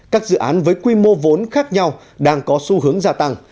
các dự án với quy mô vốn khác nhau đang có xu hướng gia tăng